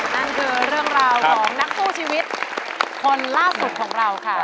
นั่นคือเรื่องราวของนักสู้ชีวิตคนล่าสุดของเราค่ะ